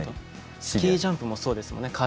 スキージャンプもそうですもんね。